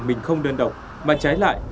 mình không đơn độc mà trái lại